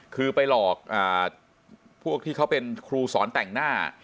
คือไปหลอกพวกที่เขาเป็นครูสอนแต่งหน้า